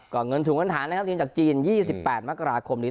ก็เงินถุงเงินฐานนะครับทีมจากจีน๒๘มกราคมนี้